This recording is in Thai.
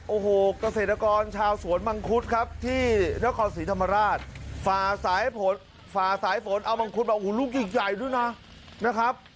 โอ้โหเกษตรกรชาวสวนมังคุดครับที่นครศรีธรรมราชฝ่าสายฝนเอามังคุดมาโอ้โหลูกใหญ่ด้วยนะนะครับ